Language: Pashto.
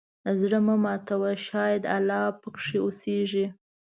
زړه مه ماتوه، شاید الله پکې اوسېږي.